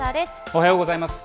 おはようございます。